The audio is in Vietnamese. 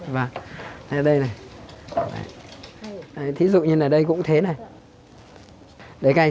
và đây này